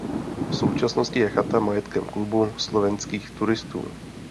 V současnosti je chata majetkem Klubu slovenských turistů.